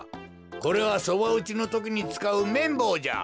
これはそばうちのときにつかうめんぼうじゃ。